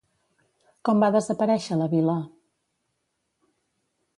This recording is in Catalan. Com va desaparèixer la vila?